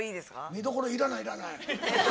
見どころいらないいらない。